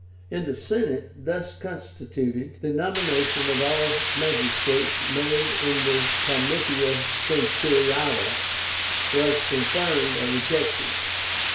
In the Senate, thus constituted, the nomination of all magistrates made in the Comitia Centuriáta was confirmed or rejected.